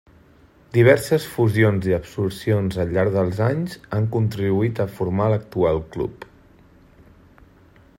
Diverses fusions i absorcions al llarg dels anys han contribuït a formar l'actual club.